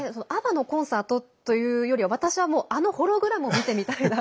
ＡＢＢＡのコンサートというよりは、私はもうあのホログラムを見てみたいな。